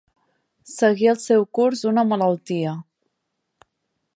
Seguir el seu curs una malaltia.